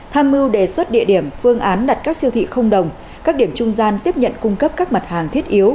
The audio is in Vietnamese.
tham mưu đề xuất địa điểm phương án đặt các siêu thị không đồng các điểm trung gian tiếp nhận cung cấp các mặt hàng thiết yếu